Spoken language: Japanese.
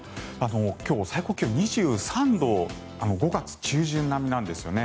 今日、最高気温２３度５月中旬並みなんですよね。